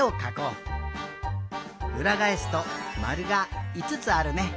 うらがえすとまるがいつつあるね。